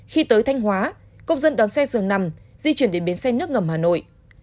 khi tới thanh hóa công dân đón xe dường nằm di chuyển đến bến xe nước ngầm hà nội